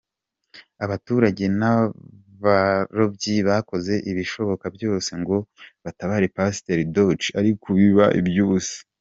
Abaturage n’abarobyi bakoze ibishoboka byose ngo batabare Pasiteri Docho ariko biba iby’ubusa.